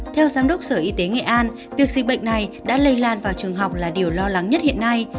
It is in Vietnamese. theo giám đốc sở y tế nghệ an việc dịch bệnh này đã lây lan vào trường học là điều lo lắng nhất hiện nay